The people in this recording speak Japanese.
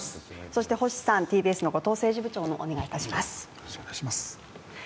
そして星さん、ＴＢＳの後藤政治部長もお願いします。